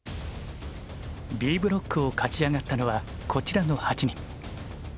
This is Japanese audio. Ｂブロックを勝ち上がったのはこちらの８人。